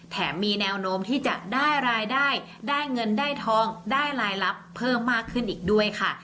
แถมมีแนวโน้มที่จะได้รายได้ได้เงินได้ทองได้รายลับเพิ่มมากขึ้นอีกด้วยค่ะ